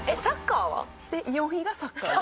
で４位がサッカー。